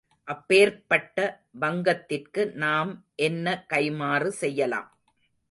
அப்பேர்ப்பட்ட வங்கத்திற்கு நாம் என்ன கைமாறு செய்யலாம்.